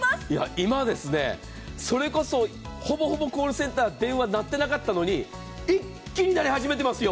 今、それこそほぼほぼコールセンター、電話鳴ってなかったのに一気に鳴り始めてますよ。